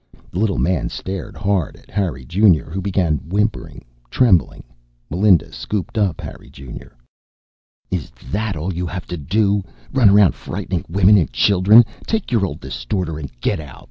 The little man stared hard at Harry Junior, who began whimpering. Trembling, Melinda scooped up Harry Junior. "Is that all you have to do run around frightening women and children? Take your old distorter and get out.